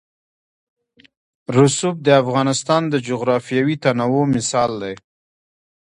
رسوب د افغانستان د جغرافیوي تنوع مثال دی.